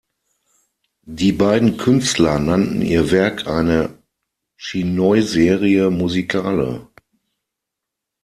Die beiden Künstler nannten ihr Werk eine "chinoiserie musicale".